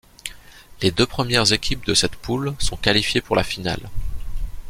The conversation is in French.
Les deux premières équipes de cette poule sont qualifiées pour la finale.